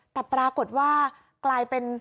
แต่ปรากฏว่ากลายเป็น